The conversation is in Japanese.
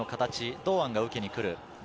堂安が受けに来る。